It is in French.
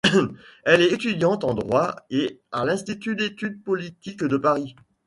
Elle est étudiante en droit et à l’Institut d’études politiques de Paris.